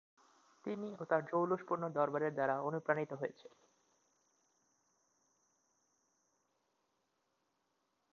তিনি ও তার জৌলুসপূর্ণ দরবারের দ্বারা অনুপ্রাণিত হয়েছে।